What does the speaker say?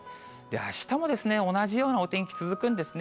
あしたも同じようなお天気続くんですね。